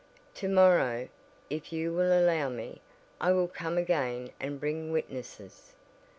To morrow, if you will allow me, I will come again and bring witnesses.